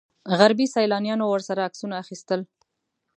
غربي سیلانیانو ورسره عکسونه اخیستل.